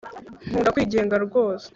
nkunda kwigenga rwose